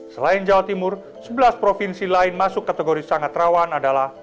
selain jawa timur sebelas provinsi lain masuk kategori sangat rawan adalah